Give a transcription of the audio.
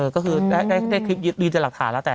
ก็คือได้คลิปมีแต่หลักฐานแล้วแต่